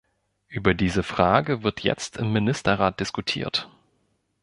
Über diese Frage wird jetzt im Ministerrat diskutiert.